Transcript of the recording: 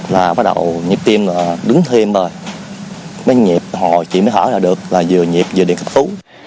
rồi bắt đầu nhịp tim đứng thêm rồi mới nhịp hồ chị mới thở ra được là vừa nhịp vừa điện khách tú